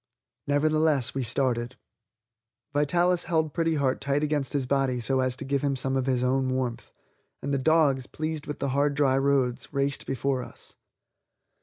Nevertheless, we started. Vitalis held Pretty Heart tight against his body so as to give him some of his own warmth, and the dogs, pleased with the hard dry roads, raced before us.